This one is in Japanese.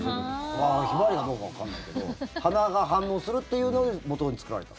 ヒマワリがどうかわからないけど花が反応するってのをもとに作られた。